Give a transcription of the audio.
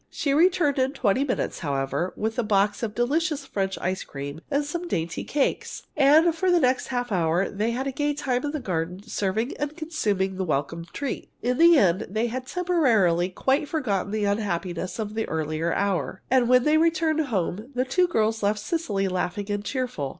She returned in twenty minutes, however, with a box of delicious French ice cream and some dainty cakes. And for the next half hour they had a gay time in the garden, serving and consuming the welcome treat. In the end they had temporarily quite forgotten the unhappiness of the earlier hour, and when they returned home the two girls left Cecily laughing and cheerful.